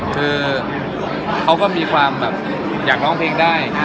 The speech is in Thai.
คือเขาก็มีความแบบอยากร้องเพลงได้นะ